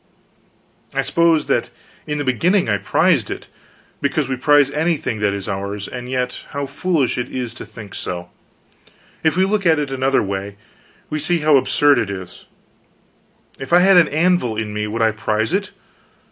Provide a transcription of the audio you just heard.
I suppose that in the beginning I prized it, because we prize anything that is ours; and yet how foolish it was to think so. If we look at it in another way, we see how absurd it is: if I had an anvil in me would I prize it?